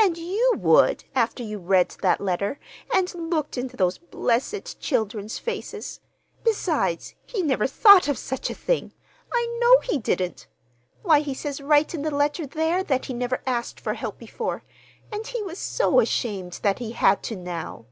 And you would, after you read that letter, and look into those blessed children's faces. Besides, he never thought of such a thing—I know he didn't. Why, he says right in the letter there that he never asked for help before, and he was so ashamed that he had to now."